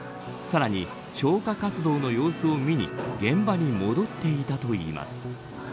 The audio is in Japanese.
さらに、消火活動の様子を見に現場に戻っていたといいます。